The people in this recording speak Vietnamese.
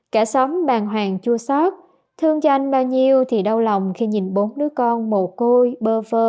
cả xóm bàn hoàng chua sót thương cho anh bao nhiêu thì đau lòng khi nhìn bốn đứa con mồ côi bơ vơ